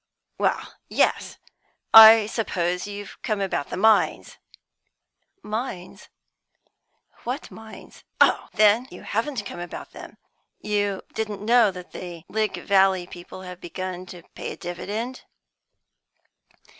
"Well, yes. I suppose you've come about the mines." "Mines? What mines?" "Oh, then you haven't come about them. You didn't know the Llwg Valley people have begun to pay a dividend?"